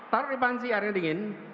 taruh di panci airnya dingin